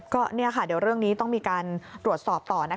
ก็เดี๋ยวเรื่องนี้ต้องมีการตรวจสอบต่อนะคะ